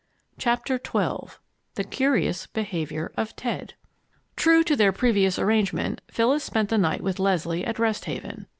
CHAPTER XII THE CURIOUS BEHAVIOR OF TED True to their previous arrangement, Phyllis spent the night with Leslie at Rest Haven.